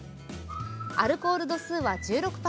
アルコール度数は１６％。